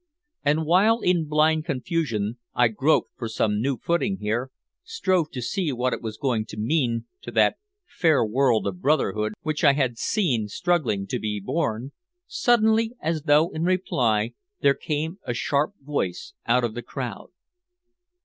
And while in blind confusion I groped for some new footing here, strove to see what it was going to mean to that fair world of brotherhood which I had seen struggling to be born suddenly as though in reply there came a sharp voice out of the crowd.